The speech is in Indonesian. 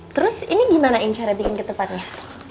terus ini gimana cara bikin ketupatnya